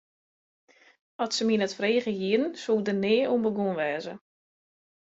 As se my net frege hiene, soe ik der nea oan begûn wêze.